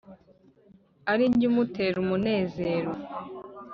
ari jye umutera umunezero.